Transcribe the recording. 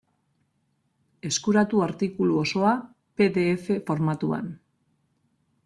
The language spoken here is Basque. Eskuratu artikulu osoa pe de efe formatuan.